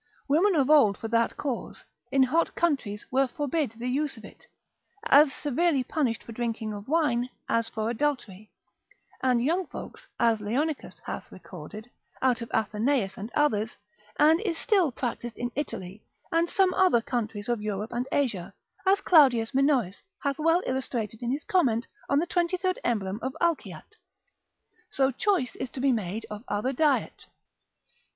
Women of old for that cause, in hot countries, were forbid the use of it; as severely punished for drinking of wine as for adultery; and young folks, as Leonicus hath recorded, Var. hist. l. 3. cap. 87, 88. out of Athenaeus and others, and is still practised in Italy, and some other countries of Europe and Asia, as Claudius Minoes hath well illustrated in his Comment on the 23. Emblem of Alciat. So choice is to be made of other diet.